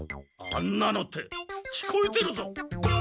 「あんなの」って聞こえてるぞ。